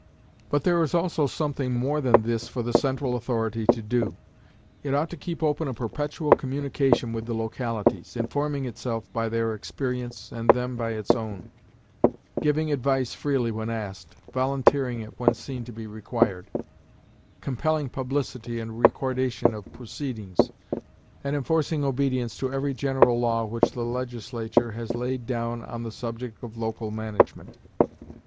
But there is also something more than this for the central authority to do. It ought to keep open a perpetual communication with the localities informing itself by their experience, and them by its own; giving advice freely when asked, volunteering it when seen to be required; compelling publicity and recordation of proceedings, and enforcing obedience to every general law which the Legislature has laid down on the subject of local management.